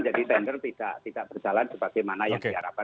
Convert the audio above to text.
jadi tender tidak berjalan sebagaimana yang diharapkan